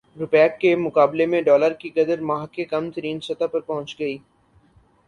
روپے کے مقابلے میں ڈالر کی قدر ماہ کی کم ترین سطح پر پہنچ گئی